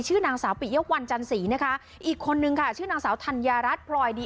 ชื่อนางสาวปิยกวันจันสีนะคะอีกคนนึงค่ะชื่อนางสาวธัญญารัฐพลอยดี